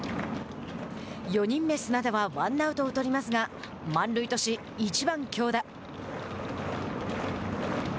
４人目、砂田はワンアウトを取りますが満塁とし、１番京田。